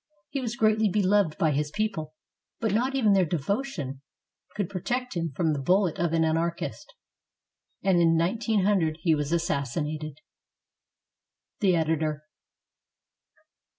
He was greatly beloved by his people; but not even their devotion could protect him from the bullet of an anarchist, and in 1900 he was assassinated. The Editor.